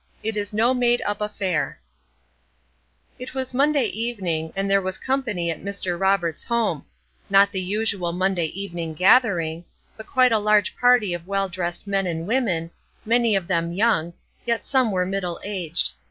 "IT IS NO MADE UP AFFAIR" It was Monday evening, and there was company at Mr. Roberts' home; not the usual Monday evening gathering, but quite a large party of well dressed men and women, many of them young, yet some were middle aged.